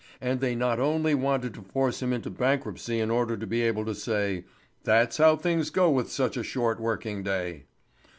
And they not only wanted to force him into bankruptcy in order to be able to say "That's how things go with such a short working day."